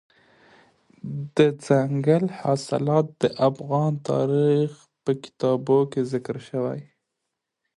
دځنګل حاصلات د افغان تاریخ په کتابونو کې ذکر شوی دي.